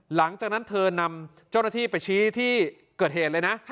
หลังจากนั้นเธอนำเจ้าหน้าที่ไปชี้ที่เกิดเหตุเลยนะ